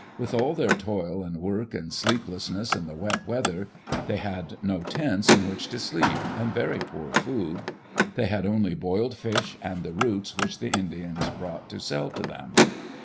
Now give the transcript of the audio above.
With all their toil and work and sleeplessness and the wet weather, they had no tents in which to sleep, and very poor food. They had only boiled fish and the roots which the Indians brought to sell to them.